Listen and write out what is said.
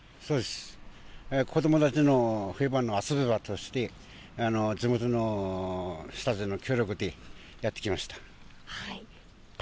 子どもたちの冬場の遊び場として、地元の人たちの協力でやってきました。